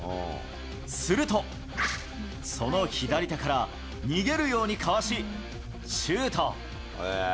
すると、その左手から逃げるようにかわし、シュート。